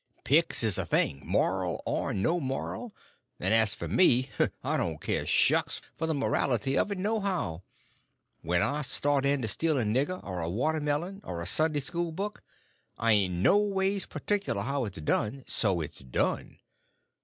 "Picks is the thing, moral or no moral; and as for me, I don't care shucks for the morality of it, nohow. When I start in to steal a nigger, or a watermelon, or a Sunday school book, I ain't no ways particular how it's done so it's done.